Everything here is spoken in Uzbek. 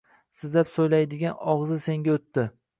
Sizlab so‘ylaydigan og‘zi senga o‘tdi